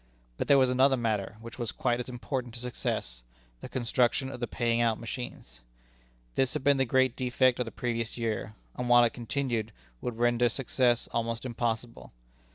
But there was another matter which was quite as important to success the construction of the paying out machines. This had been the great defect of the previous year, and, while it continued, would render success almost impossible.